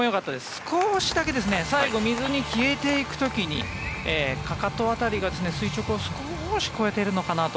少しだけ最後水に消えていく時にかかと辺りが垂直を少し越えているのかなと。